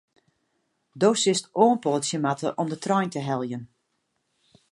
Do silst oanpoatsje moatte om de trein te heljen.